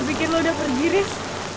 gue pikir lo udah pergi ris